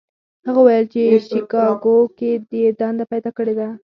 هغه وویل په شیکاګو کې یې دنده پیدا کړې ده.